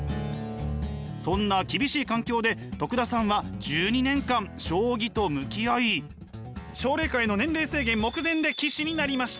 そんな厳しい環境で徳田さんは１２年間将棋と向き合い奨励会の年齢制限目前で棋士になりました。